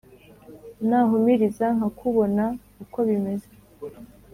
nahumiriza nkakubona uko bimeze